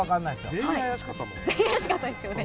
全員怪しかったですよね。